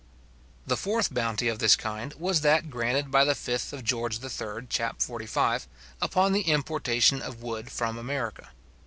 The fourth bounty of this kind was that granted by the 5th Geo. III. chap. 45, upon the importation of wood from America.